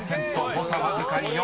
誤差わずかに４。